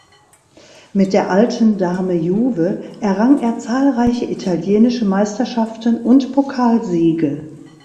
Mit der "alten Dame Juve" errang er zahlreiche italienische Meisterschaften und Pokalsiege.